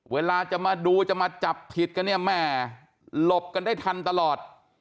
เวลาจะมาดูจะมาจับผิดกันเนี่ยแม่หลบกันได้ทันตลอด